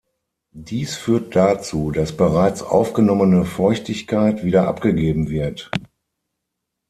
Dies führt dazu, dass bereits aufgenommene Feuchtigkeit wieder abgegeben wird.